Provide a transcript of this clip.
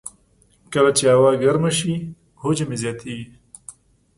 کله چې هوا ګرمه شي، حجم یې زیاتېږي.